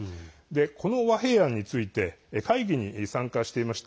この和平案について会議に参加していました